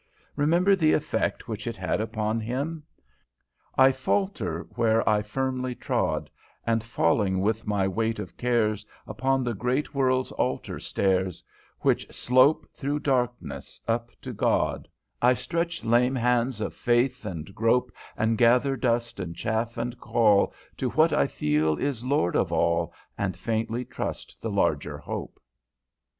Remember the effect which it had upon him. 'I falter where I firmly trod, And falling with my weight of cares Upon the great world's altar stairs, Which slope through darkness up to God, 'I stretch lame hands of faith and grope And gather dust and chaff, and call To what I feel is Lord of all, And faintly trust the larger hope.'